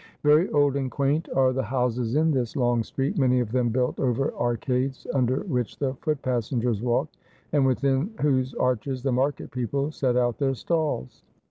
Very old and quaint are the 300 Asphodel. houses in this long street, many of them built over arcades, under which the foot passengers walk, and within whose arches the market people set out their stalls.